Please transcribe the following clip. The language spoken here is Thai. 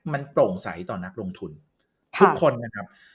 มันโปร่งใสต่อนักลงทุนทุกคนนะครับ